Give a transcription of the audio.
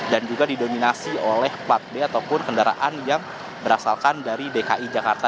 dan juga didominasi oleh empat d ataupun kendaraan yang berasalkan dari dki jakarta